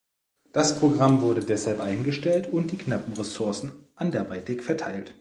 Das Programm wurde deshalb eingestellt und die knappen Ressourcen anderweitig verteilt.